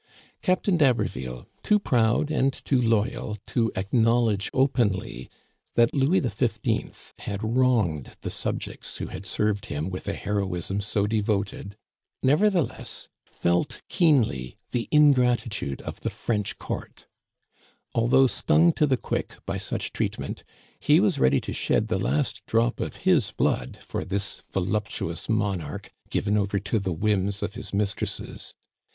Captain d'Haber viUe, too proud and too loyal to acknowledge openly that Louis XV had wronged the subjects who had served him with a heroism so devoted, nevertheless, felt keenly the ingratitude of the French court Although stung to the quick by such treatment, he was ready to shed the last drop of his blood for this voluptuous mon arch given over to the whims of his mistresses.